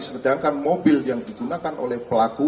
sedangkan mobil yang digunakan oleh pelaku